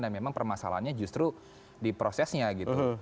dan memang permasalahannya justru di prosesnya gitu